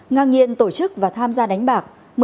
ngang nhiên tổ chức và tham gia đánh bạc